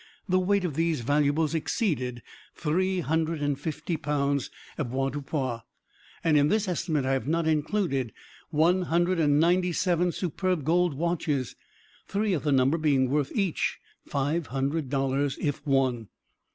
The weight of these valuables exceeded three hundred and fifty pounds avoirdupois; and in this estimate I have not included one hundred and ninety seven superb gold watches; three of the number being worth each five hundred dollars, if one.